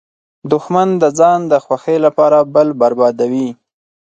دښمن د ځان د خوښۍ لپاره بل بربادوي